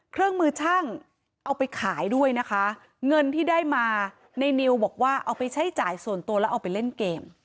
เครื่องมือช่างเอาไปขายด้วยนะคะเงินที่ได้มาในนิวบอกว่าเอาไปใช้จ่ายส่วนตัวแล้วเอาไปเล่นเกม